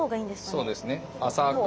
そうですね浅く。